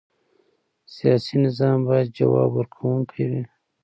سیاسي نظام باید ځواب ورکوونکی وي